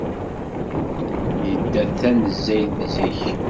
Yedda tanezzayt zik.